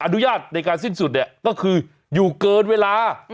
อนุญาตในการสิ้นสุดเนี่ยก็คืออยู่เกินเวลา